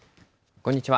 こんにちは。